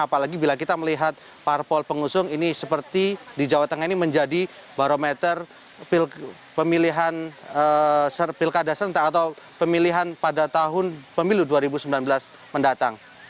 apalagi bila kita melihat parpol pengusung ini seperti di jawa tengah ini menjadi barometer pemilihan serpilkada serentak atau pemilihan pada tahun pemilu dua ribu sembilan belas mendatang